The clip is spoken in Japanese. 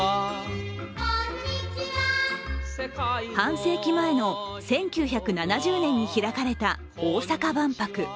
半世紀前の１９７０年に開かれた大阪万博。